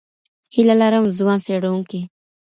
هیله لرم ځوان څېړونکي